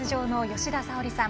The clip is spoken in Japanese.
吉田沙保里さん